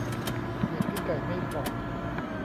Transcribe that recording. เหยียบขี้ไก่ไม่ฝ่อ